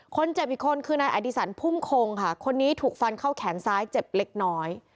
คนเจ็บอีกคนคือนายอดีสันพุ่มคงค่ะคนนี้ถูกฟันเข้าแขนซ้ายเจ็บเล็กน้อย